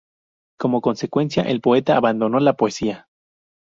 Como consecuencia el poeta abandonó la poesía.